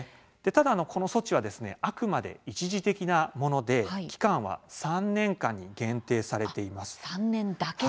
ただ、この措置はですねあくまで一時的なもので期間は３年間に限定されています。